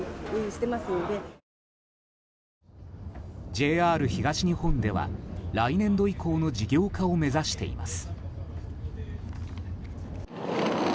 ＪＲ東日本では、来年度以降の事業化を目指しています。